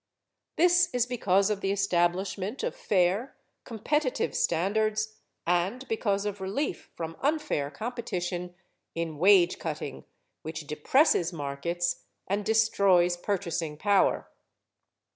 This is because of the establishment of fair, competitive standards and because of relief from unfair competition in wage cutting which depresses markets and destroys purchasing power.